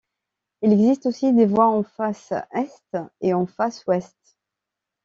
Il existe aussi des voies en face Est et en face Ouest.